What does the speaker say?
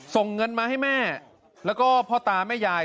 ส่งเงินมาให้แม่แล้วก็พ่อตาแม่ยาย